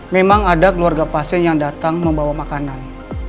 memang ada keluarga pasien yang datang membawa makanan